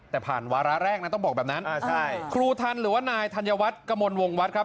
แต่ผ่านวาระแรกนะต้องบอกแบบนั้นอ่าใช่ครูทันหรือว่านายธัญวัฒน์กระมวลวงวัดครับ